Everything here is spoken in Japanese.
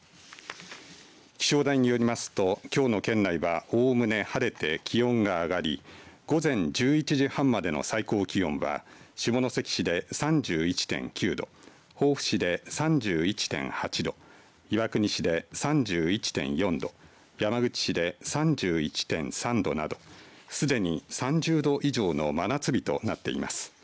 気象台によりますときょうの県内はおおむね晴れて気温が上がり午前１１時半までの最高気温は下関市で３１．９度防府市で３１．８度岩国市で３１．４度山口市で３１．３度などすでに３０度以上の真夏日となっています。